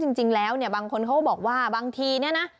จริงแล้วเนี่ยบางคนเขาก็บอกว่าบางทีเนี่ยนะ